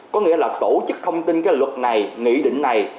có nghĩa là tổ chức thông tin cái luật này nghị định này